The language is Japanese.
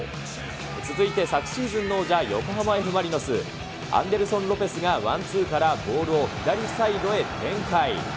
続いて、昨シーズンの王者、横浜Ｆ・マリノス、アンデルソン・ロペスがワンツーからボールを左サイトへ展開。